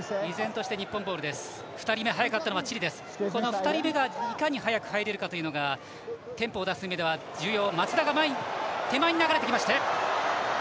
２人目がいかに早く入れるかというのがテンポを出す意味では重要。